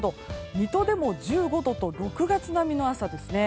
水戸でも１５度と６月並みの朝ですね。